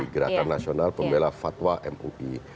gerakan nasional pembela fatwa mui